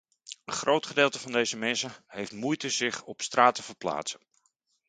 Een groot gedeelte van deze mensen heeft moeite zich op straat te verplaatsen.